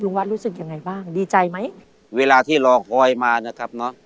วัดรู้สึกยังไงบ้างดีใจไหมเวลาที่รอคอยมานะครับเนอะ